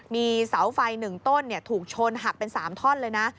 มีเสาไฟ๑ต้นถูกชนหักเป็น๓ท่อนเลยนะ